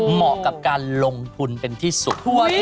เหมาะกับการลงทุนเป็นที่สุด